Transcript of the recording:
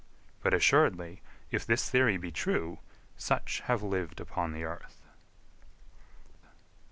But assuredly, if this theory be true, such have lived upon the earth.